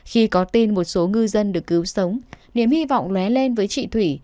khi có tin một số ngư dân được cứu sống niềm hy vọng lé lên với chị thủy